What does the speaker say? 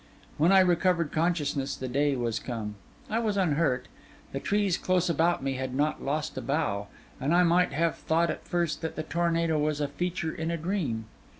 When I recovered consciousness, the day was come. I was unhurt; the trees close about me had not lost a bough; and I might have thought at first that the tornado was a feature in a dream.